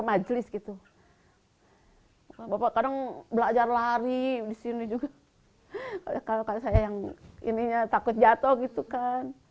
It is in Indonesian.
majlis gitu bapak kadang belajar lari disini juga kalau kayak saya yang ininya takut jatuh gitu kan